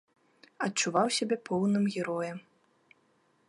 Адчуваў сябе поўным героем.